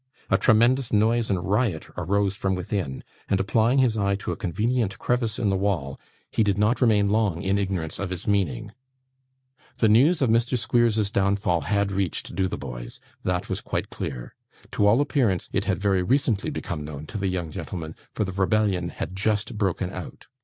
A tremendous noise and riot arose from within, and, applying his eye to a convenient crevice in the wall, he did not remain long in ignorance of its meaning. The news of Mr. Squeers's downfall had reached Dotheboys; that was quite clear. To all appearance, it had very recently become known to the young gentlemen; for the rebellion had just broken out.